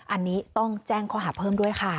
อันนี้ต้องแจ้งข้อหาเพิ่มด้วยค่ะ